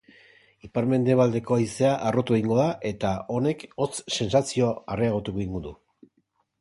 Ipar-mendebaldeko haizea harrotu egingo da eta honek hotz sentsazioa areagotu egingo du.